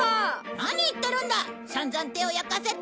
何言ってるんだ散々手を焼かせて！